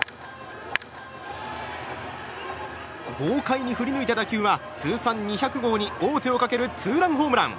豪快に振り抜いた打球は通算２００号に王手をかけるツーランホームラン！